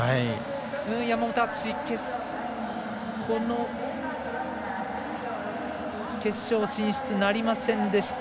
山本篤、決勝進出なりませんでした。